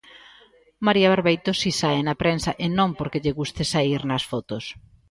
María Barbeito si sae na prensa, e non porque lle guste saír nas fotos.